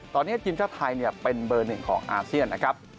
ตอนนี้ทีมชาติไทยเป็นเบอร์หนึ่งของอาเซียนนะครับ